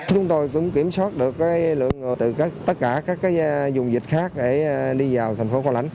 chúng tôi cũng kiểm soát được lượng từ tất cả các dùng dịch khác để đi vào thành phố cao lãnh